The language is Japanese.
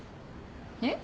えっ？